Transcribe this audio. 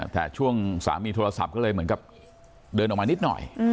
แต่ช่วงสามีโทรศัพท์ก็เลยเหมือนกับเดินออกมานิดหน่อย